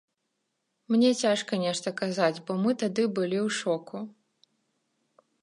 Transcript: Мне цяжка нешта казаць, бо мы тады былі ў шоку.